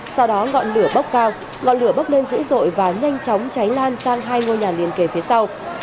sau đó ngọn lửa bốc cao ngọn lửa bốc lên dữ dội và nhanh chóng cháy lan sang hai ngôi nhà liên kề phía sau